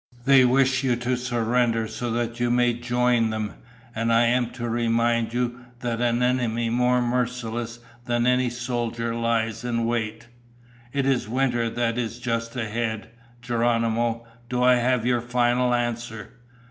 "They wish you to surrender so that you may join them, and I am to remind you that an enemy more merciless than any soldiers lies in wait. It is winter that is just ahead. Geronimo, do I have your final answer?"